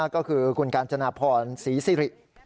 ก็คือคุณกาญจนาพรศรีสิริ